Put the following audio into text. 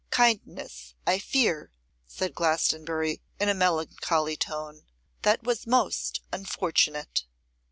'Kindness, I fear,' said Glastonbury, in a melancholy tone, 'that was most unfortunate.